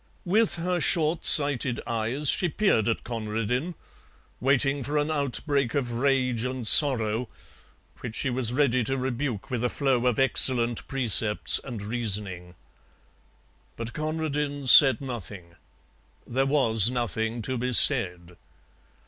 With her short sighted eyes she peered at Conradin, waiting for an outbreak of rage and sorrow, which she was ready to rebuke with a flow of excellent precepts and reasoning. But Conradin said nothing: there was nothing to be said.